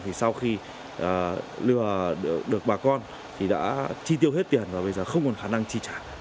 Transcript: thì sau khi lừa được bà con thì đã chi tiêu hết tiền và bây giờ không còn khả năng chi trả